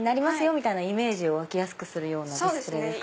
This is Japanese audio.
みたいなイメージ湧きやすくするようなディスプレーですか？